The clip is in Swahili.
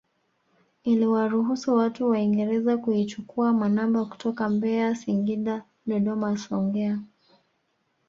Iliwaruhusu watu waingereza kuichukua manamba kutoka Mbeya Singida Dodoma Songea